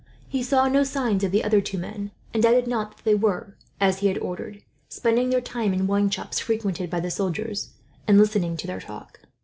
He saw no signs of the other two men, and doubted not that they were, as he had ordered, spending their time in wine shops frequented by the soldiers, and listening to their talk.